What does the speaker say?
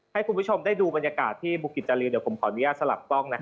ให้คุณผู้ชมได้ดูบรรยากาศที่บุกิจริงเดี๋ยวผมขอเนี่ยสลับป้องนะครับ